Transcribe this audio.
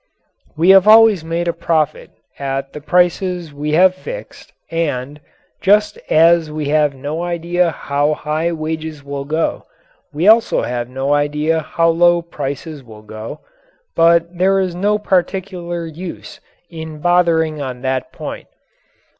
We have always made a profit at the prices we have fixed and, just as we have no idea how high wages will go, we also have no idea how low prices will go, but there is no particular use in bothering on that point.